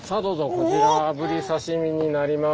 こちらブリ刺身になります。